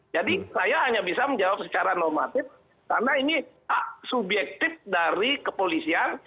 jadi saya hanya bisa menjawab secara normatif karena ini subjektif dari kepolisian